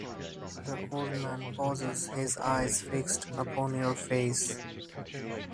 The old man pauses, his eyes fixed upon your face.